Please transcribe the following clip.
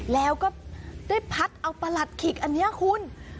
แล้วก็ได้พัดเอาประหลัดขิกอันนี้คุณ